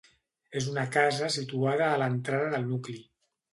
És una casa situada a l'entrada del nucli.